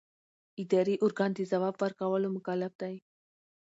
اداري ارګان د ځواب ورکولو مکلف دی.